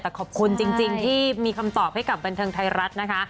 แต่ขอบคุณจริงที่มีคำตอบให้กับบันเทิงไทยรัฐนะคะ